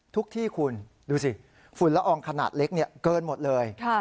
ทุกที่ขุนดูสิฝุ่นร้องขนาดเล็กเกินหมดเลย